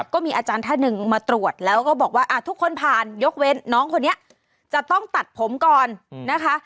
ก็มีอาจารย์ท่านหนึ่งมาตรวจแล้วก็บอกว่าทุกคนผ่านยกเว้นน้องคนนี้จะต้องตัดผมก่อนนะคะ